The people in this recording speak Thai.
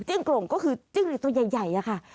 จิ้งกลงก็คือจิ้งอีกตัวใหญ่ค่ะ